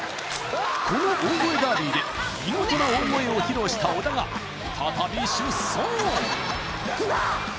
この大声ダービーで見事な大声を披露した小田が再び出走